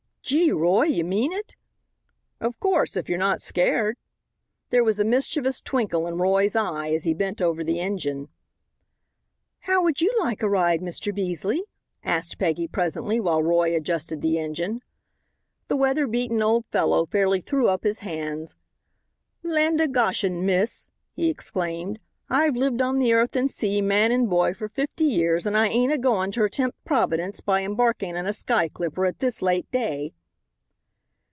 "Gee, Roy, you mean it?" "Of course, if you're not scared." There was a mischievous twinkle in Roy's eye as he bent over the engine. "How would you like a ride, Mr. Beasley?" asked Peggy presently, while Roy adjusted the engine. The weather beaten old fellow fairly threw up his hands. "Land of Goshen, miss!" he exclaimed, "I've lived on the earth and sea, man and boy, for fifty years, and I ain't agoin' ter tempt Providence by embarking in a sky clipper at this late day."